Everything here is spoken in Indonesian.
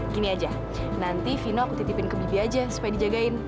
gini aja nanti vino aku titipin ke bibi aja supaya dijagain